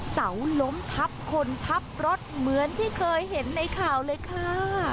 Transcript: เสาล้มทับคนทับรถเหมือนที่เคยเห็นในข่าวเลยค่ะ